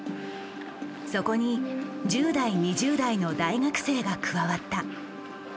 そこに１０代２０代の大学生が加わった。